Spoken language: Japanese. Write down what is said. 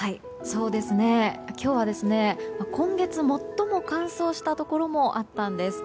今日は今月最も乾燥したところもあったんです。